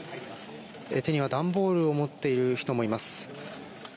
手には段ボールを持っている人もいます。